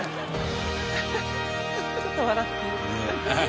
ちょっと笑ってる。